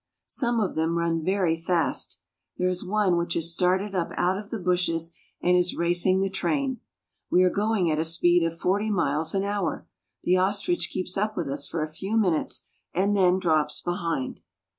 Some of them run very fast. There is one which has started up out of the bushes and is racing the train. We are going at a speed of forty miles an hour. The ostrich keeps up with us for a few minutes and then drops behind.